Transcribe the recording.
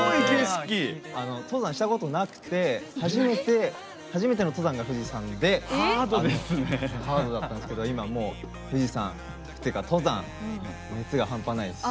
登山したことなくて初めての登山が富士山でハードだったんですけど今、もう富士山というか登山熱が半端ないです。